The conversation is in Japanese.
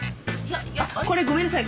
これごめんなさい。